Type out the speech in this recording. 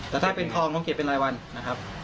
แต่ถ้าเป็นทองต้องเก็บเป็นรายวันนะครับ